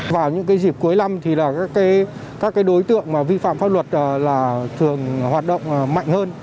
vào những dịp cuối năm các đối tượng vi phạm pháp luật thường hoạt động mạnh hơn